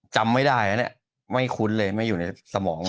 จำไม่ได้นะเนี่ยไม่คุ้นเลยไม่อยู่ในสมอง